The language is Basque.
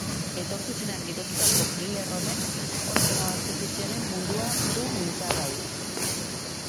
Etorkizunean girotutako thriller honek organo artifizialen mundua du mintzagai.